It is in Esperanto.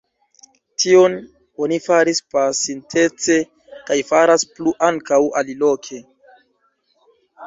Tion oni faris pasintece kaj faras plu ankaŭ aliloke.